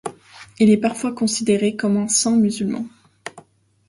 Il est parfois considéré comme un saint musulman.